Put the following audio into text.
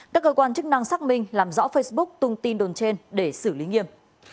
các cơ quan chức năng xác minh làm rõ facebook tung tin đồn trên để xử lý nghiêm